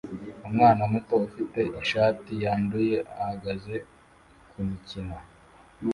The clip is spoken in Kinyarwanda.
Umwana muto ufite ishati yanduye ahagaze kumikino